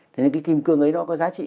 thế nên cái kim cương ấy nó có giá trị